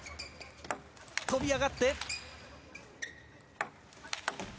飛び上がって。